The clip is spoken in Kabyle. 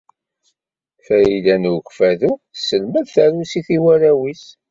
Farida n Ukeffadu tesselmed tarusit i warraw-is.